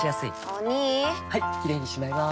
お兄はいキレイにしまいます！